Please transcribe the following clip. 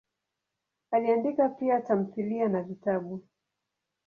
Aliandika pia tamthilia na vitabu.